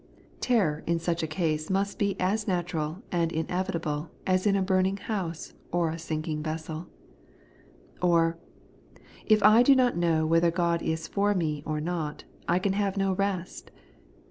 Terror in such a case must be as natural and inevitable as in a burning house or a sinking vessel Or, if I do not know whether God is for me or not, I can have no rest.